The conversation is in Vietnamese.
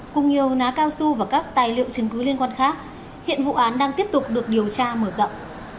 cùng nhiều ná cao su và các tài liệu chứng cứ liên quan khác hiện vụ án đang tiếp tục được điều tra mở rộng